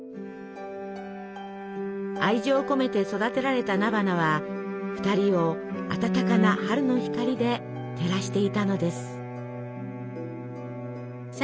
愛情込めて育てられた菜花は２人を暖かな春の光で照らしていたのです。